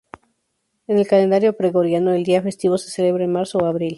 En el calendario gregoriano, el día festivo se celebra en marzo o abril.